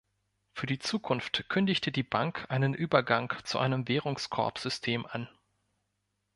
Für die Zukunft kündigte die Bank einen Übergang zu einem Währungskorb-System an.